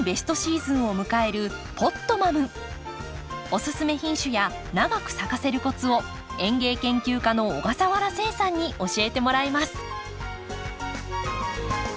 おすすめ品種や長く咲かせるコツを園芸研究家の小笠原誓さんに教えてもらいます。